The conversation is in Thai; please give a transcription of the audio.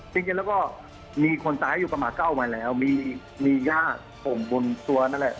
จริงแล้วก็มีคนตายอยู่ประมาณ๙วันแล้วมีญาติผมบนตัวนั่นแหละ